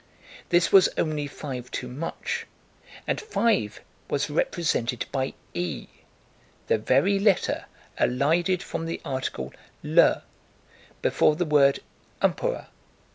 This was only five too much, and five was represented by e, the very letter elided from the article le before the word Empereur.